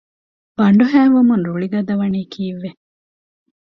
ބަނޑުހައި ވުމުން ރުޅި ގަދަވަނީ ކީއްވެ؟